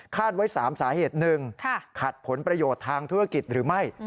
ไว้๓สาเหตุ๑ขัดผลประโยชน์ทางธุรกิจหรือไม่